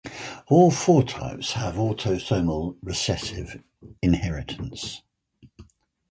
All four types have autosomal recessive inheritance.